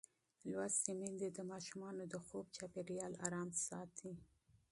لوستې میندې د ماشومانو د خوب چاپېریال آرام ساتي.